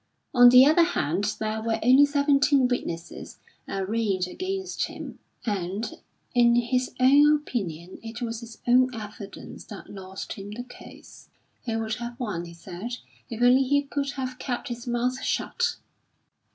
On the other hand, there were only seventeen witnesses arraigned against him; and, in his own opinion, it was his own evidence that lost him the case. He would have won, he said, "if only he could have kept his mouth shut."